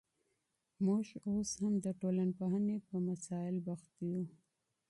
موږ اوس هم د ټولنپوهني په مسائل بوخت یو.